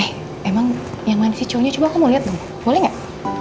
eh emang yang mandi si cowoknya coba kamu lihat dong boleh gak